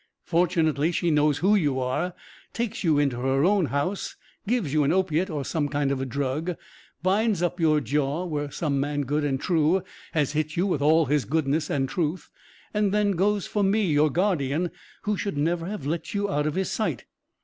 Fortunately she knows who you are, takes you into her own house, gives you an opiate or some kind of a drug, binds up your jaw where some man good and true has hit you with all his goodness and truth, and then goes for me, your guardian, who should never have let you out of his sight.